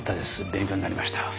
勉強になりました。